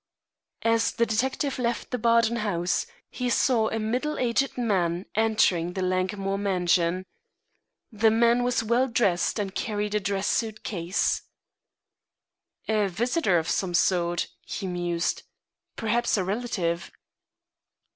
As the detective left the Bardon house, he saw a middle aged man entering the Langmore mansion. The man was well dressed and carried a dress suit case. "A visitor of some sort," he mused. "Perhaps a relative."